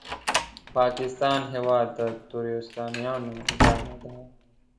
پاکستان هېواد د تروریستانو ځاله ده!